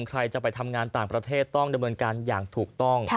ใครจะไปทำงานต่างประเทศต้องดำเนินการอย่างถูกต้อง